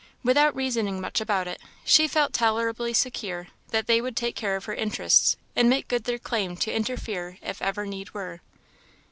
Without reasoning much about it, she felt tolerably secure that they would take care of her interests, and make good their claim to interfere if ever need were.